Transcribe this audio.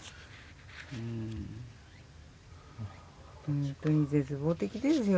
本当に絶望的ですよ